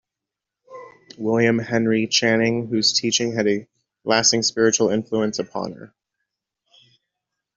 William Henry Channing, whose teaching had a lasting spiritual influence upon her.